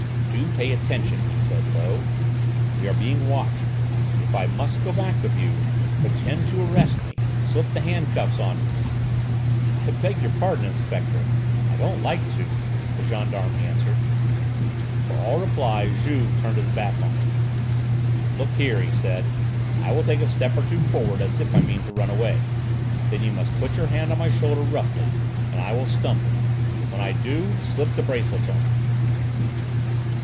"Do pay attention!" he said low. "We are being watched. If I must go back with you, pretend to arrest me. Slip the handcuffs on me!" "I beg your pardon, Inspector: I don't like to," the gendarme answered. For all reply, Juve turned his back on him. "Look here," he said, "I will take a step or two forward as if I meant to run away; then you must put your hand on my shoulder roughly, and I will stumble; when I do, slip the bracelets on."